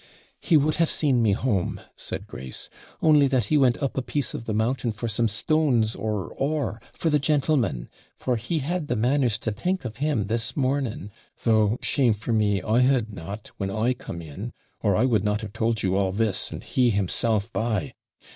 'He would have seen me home,' said Grace,' only that he went up a piece of the mountain for some stones or ore for the gentleman for he had the manners to think of him this morning, though, shame for me, I had not, when I come in, or I would not have told you all this, and he himself by.